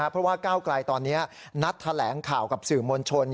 เพราะว่าก้าวไกลตอนนี้นัดแถลงข่าวกับสื่อมวลชน